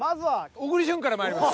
小栗旬からまいります。